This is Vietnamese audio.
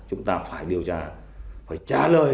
chúng ta phải điều tra phải trả lời